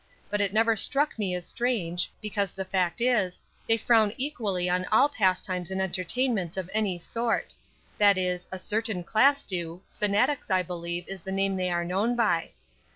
But it never struck me as strange, because the fact is, they frown equally on all pastimes and entertainments of any sort; that is, a certain class do fanatics, I believe, is the name they are known by.